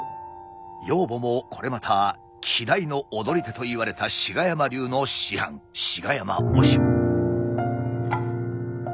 養母もこれまた希代の踊り手といわれた志賀山流の師範志賀山お俊。